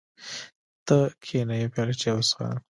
ته کېنه یوه پیاله چای وڅښه.